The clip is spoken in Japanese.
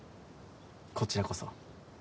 こちらこそ。